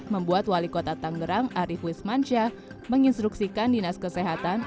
membuat wali kota tangerang arief wismansyah menginstruksikan dinas kesehatan